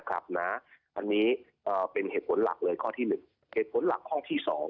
อันนี้เป็นเหตุผลหลักเลยข้อที่๑เหตุผลหลักข้อที่๒